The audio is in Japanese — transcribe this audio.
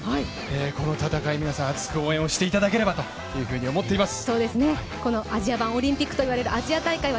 この戦い、皆さん熱く応援していただければと思います